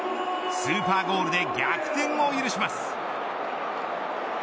スーパーゴールで逆転を許します。